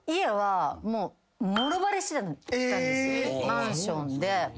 マンションで。